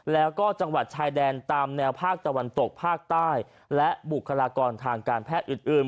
แล้วก็จังหวัดชายแดนตามแนวภาคตะวันตกภาคใต้และบุคลากรทางการแพทย์อื่น